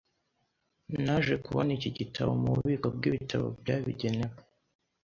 Naje kubona iki gitabo mububiko bwibitabo byabigenewe .